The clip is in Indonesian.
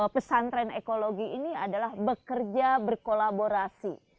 pesantren ekologi ini adalah bekerja berkolaborasi